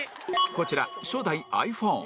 こちら初代 ｉＰｈｏｎｅ